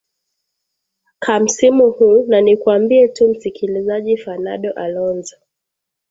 ka msimu huu na nikwambie tu msikilizaji fernado alonzo